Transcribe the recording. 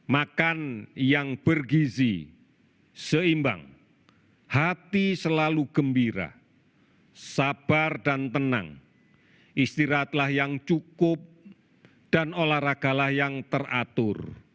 makan yang bergizi seimbang hati selalu gembira sabar dan tenang istirahatlah yang cukup dan olahragalah yang teratur